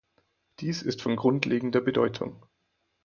Dies ist von grundlegender Bedeutung.